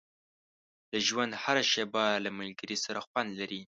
• د ژوند هره شېبه له ملګري سره خوند لري.